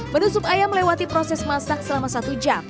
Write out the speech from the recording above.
menu sup ayam melewati proses masak selama satu jam